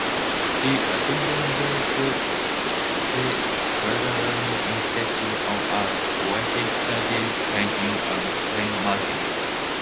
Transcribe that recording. He attended the Cleveland Institute of Art, where he studied painting and printmaking.